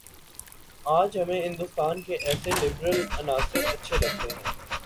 آج ہمیں ہندوستان کے ایسے لبرل عناصر اچھے لگتے ہیں